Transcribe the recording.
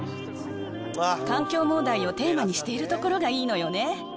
環境問題をテーマにしているところがいいのよね。